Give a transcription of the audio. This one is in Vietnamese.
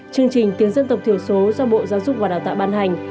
chương trình tiếng dân tộc thiểu số do bộ giáo dục và đào tạo ban hành